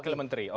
wakil menteri oke